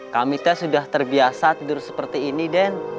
kami teh sudah terbiasa tidur seperti ini den